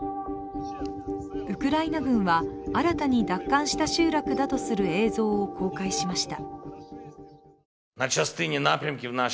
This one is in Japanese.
ウクライナ軍は新たに奪還した集落だとする映像を公開しました。